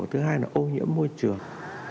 thứ hai là ô nhiễm môi trường